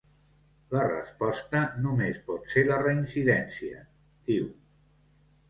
La resposta només pot ser la reincidència, diu.